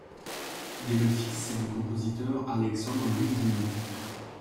Il est le fils du compositeur Alexandre Luigini.